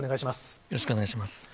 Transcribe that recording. よろしくお願いします。